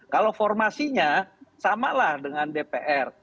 kalau formasinya samalah dengan dpr